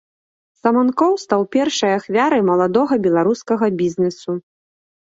Саманкоў стаў першай ахвярай маладога беларускага бізнесу.